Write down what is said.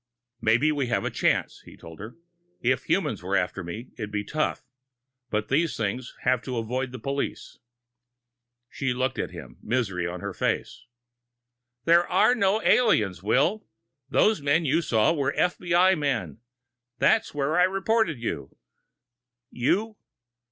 "Maybe we have a chance," he told her. "If humans were after me, it'd be tough but these things have to avoid the police." She looked at him, misery on her face. "There are no aliens, Will. Those men you saw were F. B. I. men. That's where I reported you." "You...."